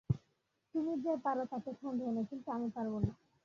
তুমি যে পার তাতে সন্দেহ নেই, কিন্তু আমি পারব না।